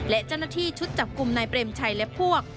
และเจ้าหน้าที่ชุดจับกลุ่มนายเปรมชัยและพวก